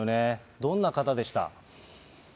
どんな方でした？